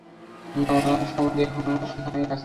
না, উনার সমাধি এখনও এখানেই আছে।